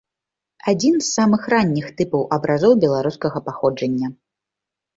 Адзін самых ранніх тыпаў абразоў беларускага паходжання.